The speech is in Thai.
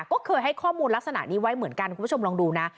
ก็เคยให้ข้อมูลลักษณะนี้ไว้เหมือนกันคุณผู้ชมลองดูนะ